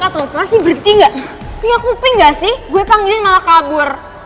kak lo budet atau apa sih bertinga tinggal kuping gak sih gue panggilin malah kabur